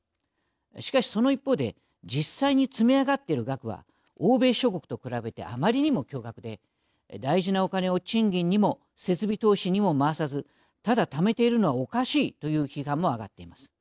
しかしその一方で実際に積み上がっている額は欧米諸国と比べてあまりにも巨額で大事なおカネを賃金にも設備投資にも回さずただためているのはおかしいという批判も上がっています。